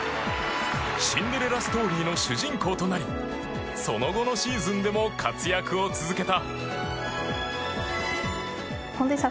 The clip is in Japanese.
シンデレラストーリーの主人公となりその後のシーズンでも活躍を続けた。